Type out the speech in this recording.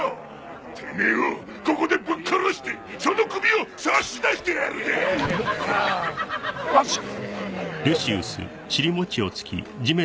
てめえをここでぶっ殺してその首を差し出してやるぜアチッ！